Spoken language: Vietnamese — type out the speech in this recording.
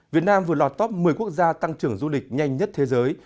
việt nam vừa lọt top một mươi quốc gia tăng trưởng du lịch nhanh nhất thế giới